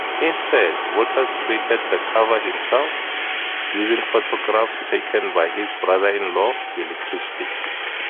Instead, Waters created the cover himself, using photographs taken by his brother-in-law, Willie Christie.